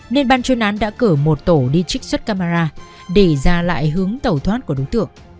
nên ban chuyên án đã cử một tổ đi trích xuất camera để ra lại hướng tàu thoát của đối tượng